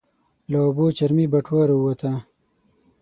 له اوبو چرمي بټوه راووته.